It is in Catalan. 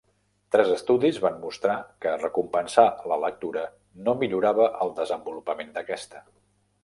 Tres estudis van mostrar que recompensar la lectura no millorava el desenvolupament d'aquesta.